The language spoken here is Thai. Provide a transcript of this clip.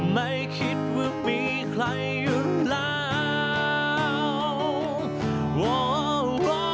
ไม่คิดว่ามีใครอยู่แล้ว